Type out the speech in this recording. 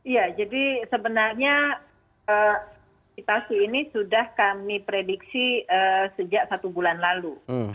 ya jadi sebenarnya situasi ini sudah kami prediksi sejak satu bulan lalu